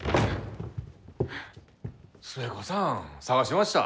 寿恵子さん捜しました。